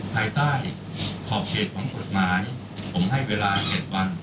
ภายใต้ขอบเขตของกฎหมายผมให้เวลา๗วัน